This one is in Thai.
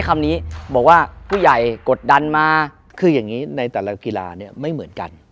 ไม่เหมือนกัน